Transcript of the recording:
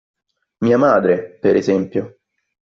Mia madre, per esempio.